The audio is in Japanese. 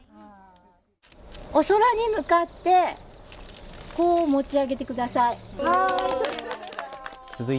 お空に向かってこう、持ち上げてください。